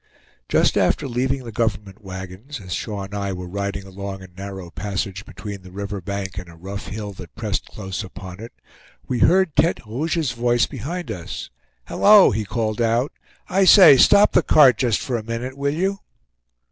Just after leaving the government wagons, as Shaw and I were riding along a narrow passage between the river bank and a rough hill that pressed close upon it, we heard Tete Rouge's voice behind us. "Hallo!" he called out; "I say, stop the cart just for a minute, will you?"